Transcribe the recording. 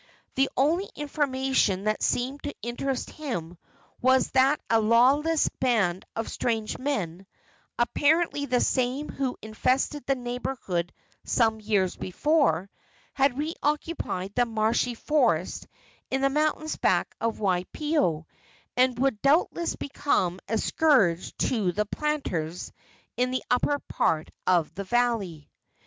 The only information that seemed to interest him was that a lawless band of strange men apparently the same who infested the neighborhood some years before had reoccupied the marshy forest in the mountains back of Waipio, and would doubtless become a scourge to the planters in the upper part of the valley.